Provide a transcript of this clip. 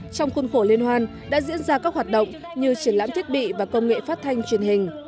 trong khuôn khổ liên hoan đã diễn ra các hoạt động như triển lãm thiết bị và công nghệ phát thanh truyền hình